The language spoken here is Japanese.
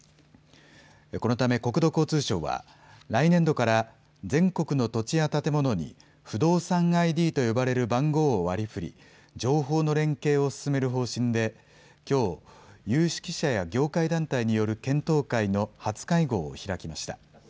このため国土交通省は来年度から全国の土地や建物に不動産ＩＤと呼ばれる番号を割りふり情報の連携を進める方針できょう、有識者や業界団体による検討会の初会合を開きました。